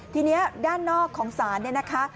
ทีนี้ด้านนอกของศาลเนี่ยนะคะ